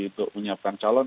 untuk menyiapkan calon